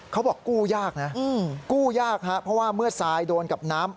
กู้ยากนะกู้ยากฮะเพราะว่าเมื่อทรายโดนกับน้ำ